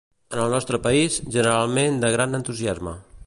En el nostre país, generalment, de gran entusiasme.